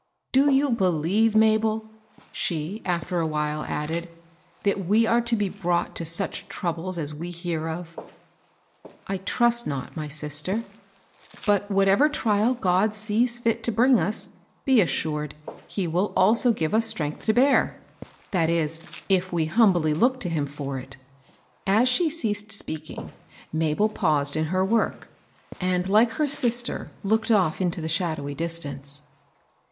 " Do you beKeve, Mabel," she, after a while, added, " that we are to be brought to such troubles as we hear of? "" I trust not, my sister. But whatever trial God sees fit to bring us, be assured he will also give us 92 MABEL ROSS. strength to bear, — that is, if we humbly look to him for it." As she ceased speaking, Mabel paused in her work, and, like her sister, looked off into the shadowy distance.